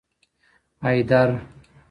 حیدر